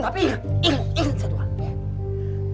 tapi inget inget satu hal ya